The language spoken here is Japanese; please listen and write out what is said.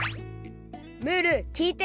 ムールきいて！